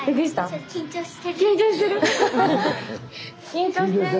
緊張してる？